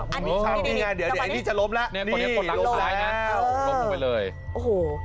มุมนี้ชัดนี่ไงเดี๋ยวเดี๋ยวอันนี้จะล้มแล้วนี่ล้มไปเลยโอ้โห